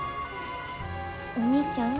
お兄ちゃん？